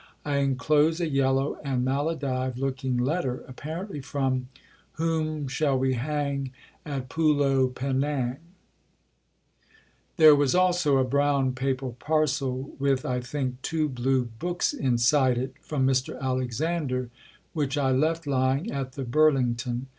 I enclose a yellow and maladive looking letter, apparently from Whom shall we hang At Pulo penang. There was also a brown paper parcel with, I think, two blue books inside it, from Mr. Alexander, which I left lying at the Burlington.